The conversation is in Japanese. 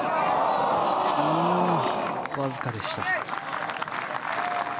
わずかでした。